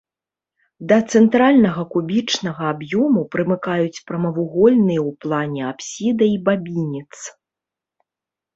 Да цэнтральнага кубічнага аб'ёму прымыкаюць прамавугольныя ў плане апсіда і бабінец.